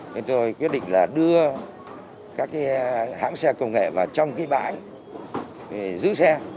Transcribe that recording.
chúng tôi quyết định là đưa các hãng xe công nghệ vào trong cái bãi giữ xe